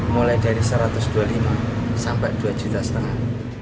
mulai dari satu ratus dua puluh lima sampai dua juta setengah